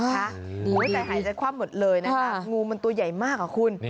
ใจหายใจคว่ำหมดเลยนะคะงูมันตัวใหญ่มากอะคุณ